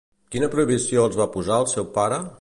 Quina prohibició els va posar el seu pare?